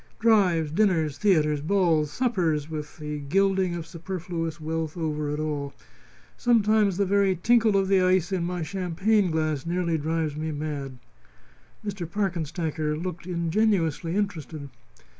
Drives, dinners, theatres, balls, suppers, with the gilding of superfluous wealth over it all. Sometimes the very tinkle of the ice in my champagne glass nearly drives me mad." Mr. Parkenstacker looked ingenuously interested.